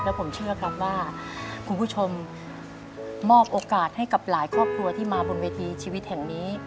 ผมเชื่อครับว่าคุณผู้ชมมอบโอกาสให้กับหลายครอบครัวที่มาบนเวทีชีวิตแห่งนี้